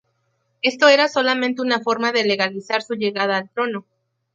Esto era solamente una forma de legalizar su llegada al trono.